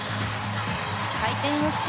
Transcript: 回転をして。